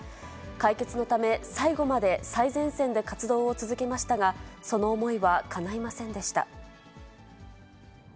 解決のため、最後まで最前線で活動を続けましたが、その思いはかないませんでした。